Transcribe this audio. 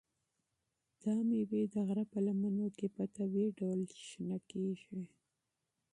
دا مېوې د غره په لمنو کې په طبیعي ډول شنه کیږي.